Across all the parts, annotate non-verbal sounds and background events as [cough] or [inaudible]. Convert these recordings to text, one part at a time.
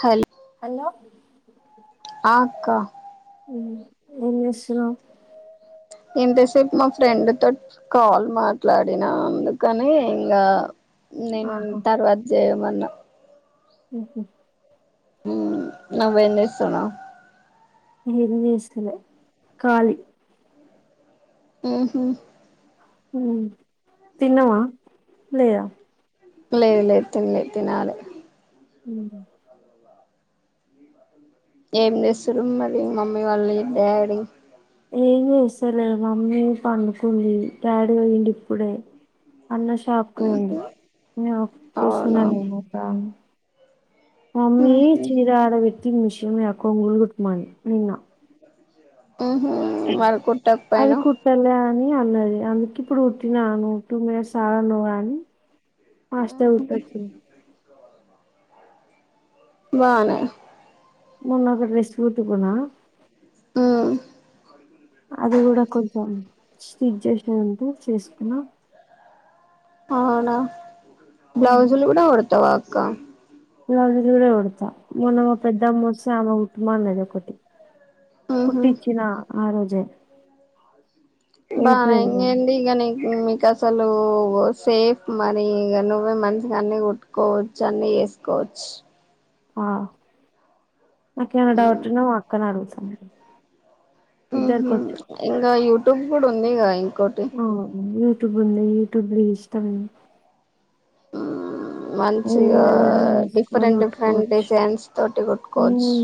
హల్ hello ఆక్క ఎన్ విస ఇంతసేపు మా ఫ్రెండ్ తో కాల్ మాట్లాడిన అందుకని ఇంకా నేను తర్వాద్ వన్న అఓ నబన్నసునా ఏది చేసులే కాలి ఆహ తిన్నావా లేదా లేదు లేతన లేతేన నాల హ ఏం చేస్తురు మరి మమ్మీ వాళ్ళు డాడీ ఏం చేసలే మమ్మీ పడుకుంది డాడీ వయిడి ఇప్పుడే అన్న షాప్కి పోయింది నేను కూర్చున్నా అవునా నేనుక్క మమ్మే ఉహు సీరా ఆడ వెట్టి మిషమ ఆకు ఉగుట్టు మని నిన్న ఉహ మర అది కుట్టకపోయినా కుట్టలే అని అన్నది అందుక ఇప్పుడు పుట్టినా నువ్ టూ మినిట్స్ ఆగను్వు కాని పాష్టటే ఉత్తచ్చ బానే మొన్న ఒక డ్రెస్ పుట్టుకున్నా ఆ అది కూడా కొంచెం స్టిచ్ చేసాారంటే చేసుకున్నా అవునా బ్లౌస్లు కూడా ఉడతవ్ క్క ఈలాంటి చీరే కంటా మొన్నం పెద్దమ్మ వచ్చే ఆమె కుటుబం అన్నది ఒకటి ఉహు కుట్టిచ్చిన ఆ రోజే బానా ఇం వెళ్ళిపోయింది ఎంటి ఈగ నీకు అసలు సేఫ్ మనీ ఈగ నువ్వే మంచిగా అన్ని కుట్కోవచ్చు అన్ని చేసుకోవచ్చు. ఆ నాకేనా డౌట్న్నా అక్క అడుగుతుం స ఊహూ ఇంగా ుప్పుడు ఉంది ఇం ఆ ట్యూబ్ ఉంది యూట్యూబ లో ఇష్టం ఆ మంచిగా ఏదైనా చేసుకొని డిఫరెంట్ డిఫరెంట్ కుట్టుకోవచ్చు డిజైన్స్ తోటి కొట్టుకోవచ్చు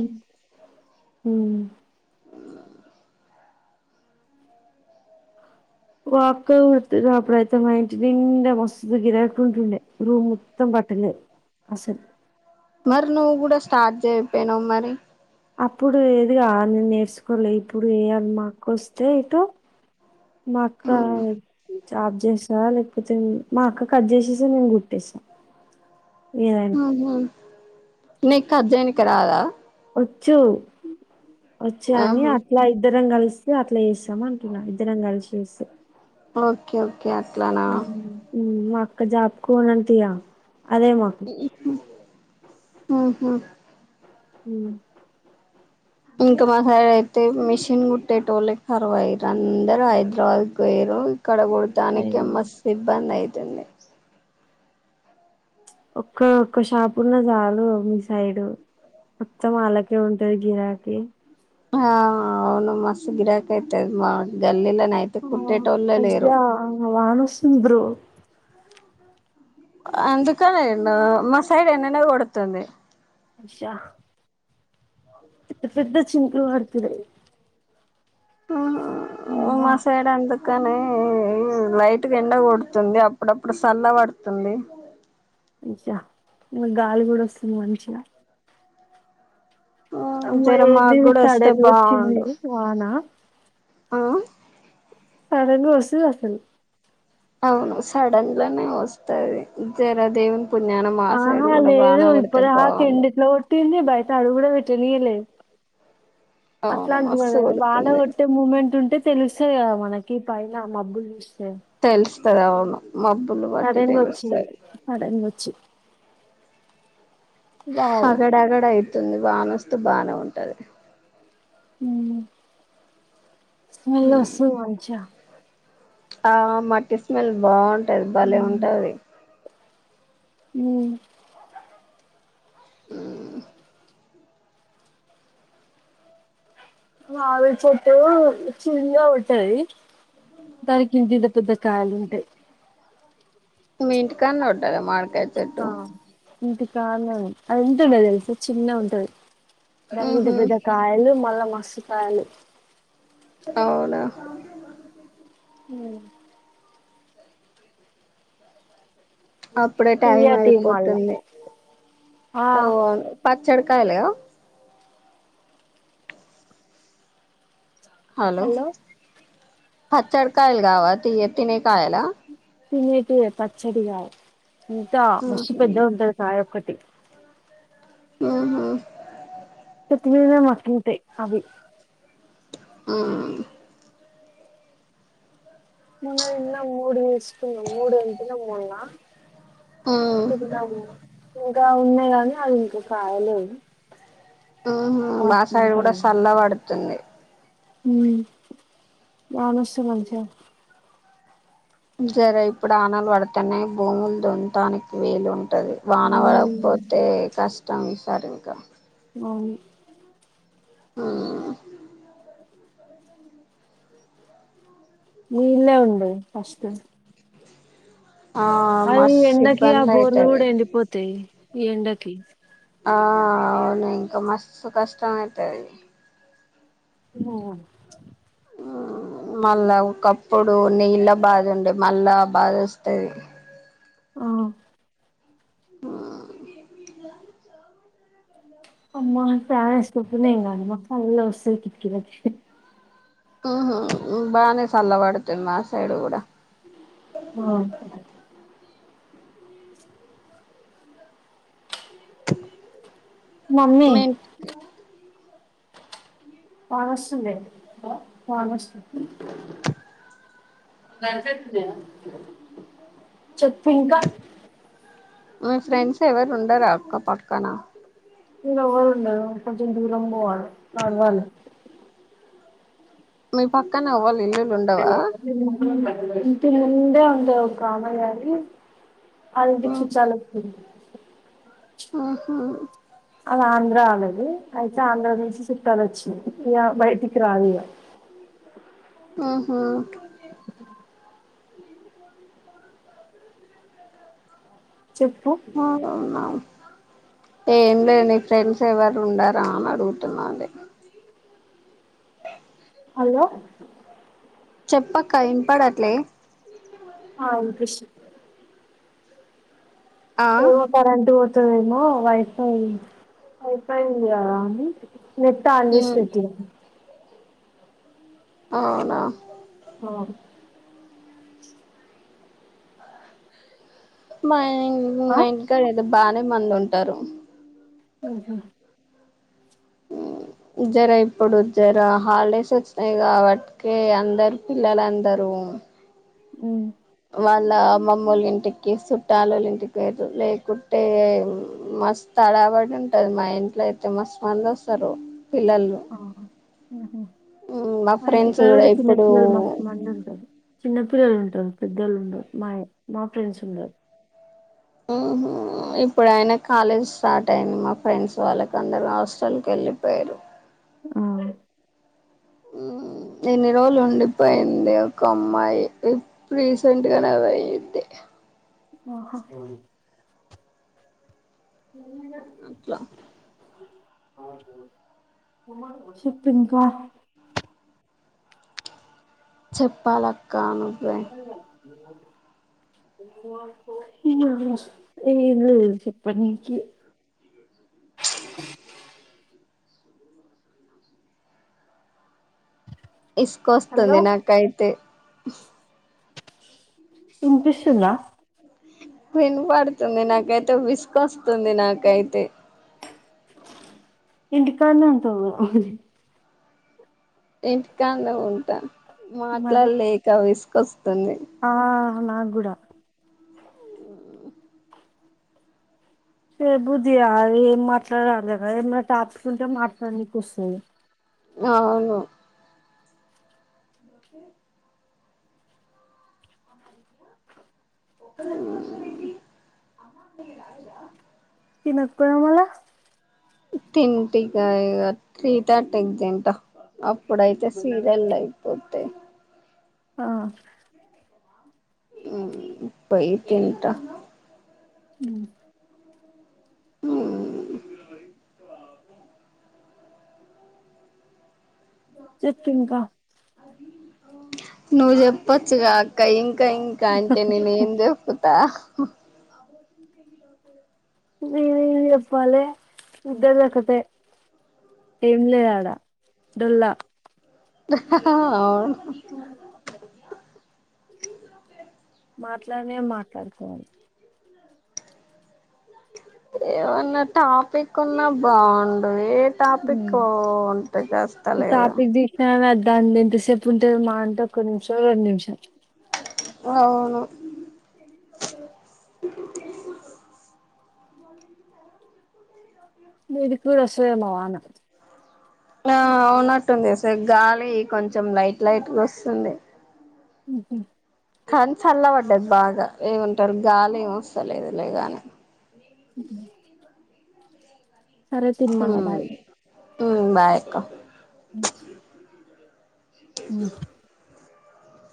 ఉ మా అక్క కొర్తునపుడు అయితే మా అంటి నిండా మస్తు గిరాంటండే రూమ్ మొత్తం బట్టలేదు అసలు. మరి నువ్వు కూడా స్టార్ట్ చేయిపోయినావు మరి అప్పుడు ఏదిగా నను నేర్చుకోలేి ఇప్పుడు ఇయాల మా అక్క వస్తే ఇటు మా అక్క చాబ్ చేసా లే మా అక్క కట్ చేసేసి నేను గుట్టేస్తా ఏదైనా ఉహు నీకు కట్ జేయనికి రాదా వచ్చు వచ్చా అని ఆహా అట్లా ఇద్దరం కలుస్త అట్లా చేస్తామ ఇద్దరం కలిస్ చేస్తాం ఓకే ఓకే అట్లానా ఓక్క జాబ్కు పోనంతయా అదే మాోకు ఊహూ ఉ ఇంకా మా సైడు అయితే మిషిన్ కుట్టేటోళ్ళ కరువయ్యారు అందరు హైదరాబాద్కి పోయారు. ఇక్కడ అయ్ కుడదానికె మస్ ఇబ్బంద యితే టిన్నే ఒక్క ఒక్క షాపు ఉన్న చాలు మీ సైడ్ మొత్తం వాళ్ళకే ఉంటది గిరాకి. ఆ అవును మస్తు గిరాకి అయితే మ గల్లీలా, అహ మంచిగా వానసుత్తసు బ్రో అందుకానేనేను మా సైడ్ ఎండకొడతుంది, అయ్యా పెద్ద పెద్ద చినుకులు పడుతున్నాయి, ఆ మా సైడు అంత, కాని లైట్ గ ఎండ కొడుతుంది అప్పుడప్పుడు సల్ల పడుతుంది, అయ్యో గాలి కూడా వస్తుంది మంచిగా, అమ్మ జర మాకు ఏందిది కూడా వస్తే సడన్ వచ్చింది వాన, ఆ సడన్ గా వస్తది అసలు, అవును సడన్లనే ఊస్తాది జరా దేవును, ఆహా లేదు ఇప్పుడధగా ఎండ బాగుండు ఎట్లా కొట్టింది బయట అడుగు పెట్టి, తెలియలే, అవును అట్లాంటిది మస్తు ఏదైనా వాన కొడుతుంది కొట్టే మూమెంట్ ఉంటే తెలుస్తే కదా మనకి, కి పైన మబ్బు చూసి, తెలుసు, తెల్తాది అవును, మబ్బులు బట్టి సడన్ గా వచింది తెలుస్తది సడన్ గా వచ్చి, వావ్ ఆగాడు ఆగాడు ఆయితే, వస్తుంది వాన వస్తే బాగానే ఉంటది, హు స్మెల్ వస్తది మంచిగా, ఆ మట్టి స్మెల్ బావు, ఉంటది బాలే ఉంటాది, ఊ ఆ మామిడి చెట్టు చిన్నగా ఉంటాది దానికి ఇంత ఇంత పెద్ద కాయలు ఉంటాయి, మీ ఇంటి కానే ఉంటదా, చెట్టు ఆ ఇంటి, కాదు కాని అది ఎంత ఉంటది తెలుస చిన్న గా ఉంటుది, దానికి ఇంత ఉహు పెద్ద కాయలు మల్ల మస్త, కాలి, అవునా, ఊ అప్పుడే టైం తియ్యటివి మళ్ళా అయిపోతుంది ఆ అవు అవును పత్తి, పచ్చడి కాయలే కదా, హలో హ చడకాయల్ గవా తినే తినే కాయలా తినీకి పచ్చడిగా ఇంకా మస్తు ఉహు పెద్దఅవుతాయి కాయలు ఒకటి ఆహా ప్రతిదిన మక్క ఉంట అవి ఆ మొన్న తిన్న మూడు ఇష్ట స మూడు అంట మొన్న ఆ సది మా ఉ ఇ ఉన్నాయి గానీ అది ఇంక కాయలేవు. ఉ వాటిని మాసయిడ్ కూడా సల్ల పడుతుంది. ఉ వనస్తే మంచిగా సరే ఇప్పుడు వానాలు పడతన్నాయి భూములు దొంతానికి నీలు ఉంటా ఉంటది వాన ఉమ్ వాడకపోతే కష్ట టా ఈ సార్ ఇకు మన్ ఆ ని ఇల్లే ఉండె ఫస్ట్ ఆ అవి మస్త్ ఎండకి ఆ ఇబ్బంది బోర్లు అయితది కూడా ఎండిపోతాయి. ఎండ కి ఆ అవును ఇంకా మస్తు కష్టం అయితది. ఆ [unintelligible] మళ్ళా ఒకప్పుడు నీళ్ల బాధ ఉండే మళ్ళా బాధ వస్తది. ఆ ఆ అమ్మా ప్యాను ఏసుకోక పోతే ఎం కాదు మాకు సల్లగా వస్తది కిట్కీలకి. ఉ బాగానే సల్ల పడుతుంది. మా సైడ్ కూడా ఆ మమ్మీ మింట్ వాన వస్తుంది అ వాన వస్తుంది. మెసేజ్ చెయ్యి చెప్పు ఇంకా ఊ ఫ్రెండ్స్ ఎవరుండరాక్క పక్కన. ఈడ ఎవరు ఉండరు, కొంచెం దూరం పోవాలీ. అను వన్ మి పక్కన ఏవళ ఇ [unintelligible] ఇంటి ముందే ఉండే ఒకామె గనీ ఆళ్ళ ఇంటికి చుట్టాల్ [inaudible] ఆహా అది ఆంధ్ర ఆళ్ళది అయితే ఆంధ్ర నుంచి చుట్టాల్ వచ్చింరు ఇగ బయటికి రాదిగా ఆహా చెప్పు [unintelligible] ఏంలె నీ ఫ్రెండ్స్ ఎవరు ఉండారా అని అడుగుతున్నాది. హలో చెప్పక్క ఇన్పడట్లే? ఆ వినిపిస్తుం ఆ ఏమో కరెంట్ [inaudible] తేమో వైఫై వైఫై ఉంది కదా అని నెట్ అన్ చేసి పెట్టిన అవునా అవును మయ్ [inaudible] మా ఇంటి కాడా ఏదో బానే మంది ఉంటారు. [inaudible] జరా ఇప్పుడు జరా హాలిడేస్ వచ్చినాయి కాబట్టికే అందరు పిల్లలందరూ ఉ వాళ్ళ అమ్మమోళ్ళ ఇంటికి చుట్టాలోళ్ళ ఇంటికి పాయింరు. లేకుంటే మ్యాట్ హడావిడి ఉంటది మా ఇంట్లో అయితే మస్త్ మంది వస్తరు. మా ఇంటి ఫ్రెండ్స్ కాడా కూడా గుడ చిన్న ఇప్పుడు పిల్లలు మస్త్ మందుంటరు. పిల్లలుంటరు. పొద్దోళ్ళు ఉండరు. మా మా ఫ్రెండ్స్ ఉండరు. ఇప్పుడు అయినా కాలేజ్ స్టార్ట్ అయింది. మా ఫ్రెండ్స్ వాళ్ళకి అందరు హాస్టల్కెళ్ళిపోయిన్రూ ఆ ఇన్నీ రోజులు ఉండిపోయింది ఒక అమ్మాయి ఇప్పు రీసెంట్ గనే పోయింది. ఆ హ అట్లా ఎ చెప్ ఇంకా చెప్పాలక్ కా నువ్వే ఏ చెప్ప ననికి ఇసుకొస్తుంది. హలో నాకైతే బ ఇన్పిస్తుందా? విన్పడుతుంది నాకైతే విసుకొస్తుంది నాకైతే ఇంటి కాడ్నే ఉంటవ్గా ఇంటికాడ్నే ఉంటా మరి మాట్లాడ్లేక విస్ కస్తనే ఆ నాక్కూడా స బుధియా ఏం మాట్లాడాలిక ఏమ ట ఆపుకుంటే మాట్లాడ నకు వసంది అవును ఓకే ఒ అ తినకపోయినావ్ మళ తిన్ టిగా ఇగా త్రీ థర్ట్ కి తింట అబ్ ప్పుడైతే సీరియల్ అయిపోద్ ఆ మ్మ్ పోయి తింటా మ్మ్ మ్మ్ చెప్పింక నువ్జెప్పచ్చగా ఇన్ ఇంకా ఇంకా అంటే నేను ఏం చెప్పుతా నేనేం చెప్పాలె ఇద్దరిదొక్కటే ఏం లేదాడ డొల్లా అవు ఓ మాట్లాడినే మాట్లాడుకో ఏమన్నా టాపిక్ ఉన్నా బాగుండు ఏ టాపిక్ ఉంట చస్త లేదు దాన్ని ఇంతసేపు ఉంటే మా అంటే ఒక్క నిమిషం రెండు నిమిషాలు అవును ది కూడ సేమవాన ఆ అవున్నట్టుంది సె గాలి కొంచెం లైట్ లైట్గా వస్తుంది హ్మ్మ్ హ్మ్మ్ కన్ చల్ల పడ్డది బాగా ఏ సల్ గాలి ఏం వస్తా లేదు లే గానీ మ్మ్ మ్మ్ సరే తి మళ్ళ బాయ్ మ్మ్ బాయక్క మ్మ్